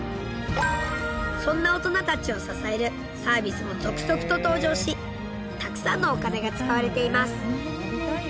そんな大人たちを支えるサービスも続々と登場したくさんのお金が使われています。